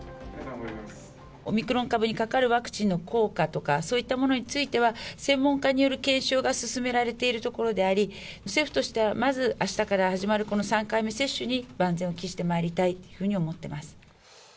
オミクロン株に関わるワクチンの効果とか、そういったものについては、専門家による検証が進められているところであり、政府としては、まずあしたから始まるこの３回目接種に万全を期してまいりたいというふうに思っております。